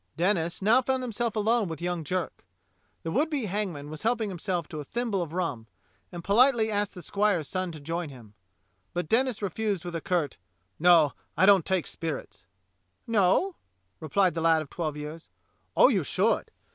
Denis now found himself alone with young Jerk. The would be hangman was helping himself to a thimble of rum, and politely asked the squire's son to join him; but Denis refused with a curt: "No, I don't take spirits." "No.^" replied the lad of twelve years. "Oh, you should.